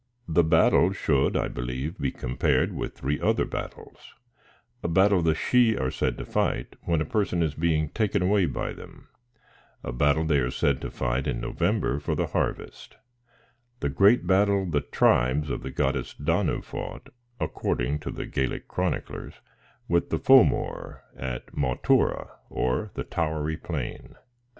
99 The Battle should, I believe, be compared with three other battles; a battle the Sidhe are said to fight when a person is being taken away by them ; a battle they are said to fight in November for the harvest ; the great battle the Tribes of the goddess Danu fought, accord ing to the Gaelic chroniclers, with the Fomor at Moy Tura, or the Towery Plain.